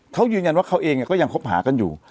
เขายืนยันว่าเขาเองก็ยังคบหากันอยู่